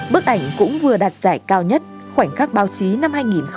bức ảnh cũng vừa đạt giải cao nhất khoảnh khắc báo chí năm hai nghìn một mươi tám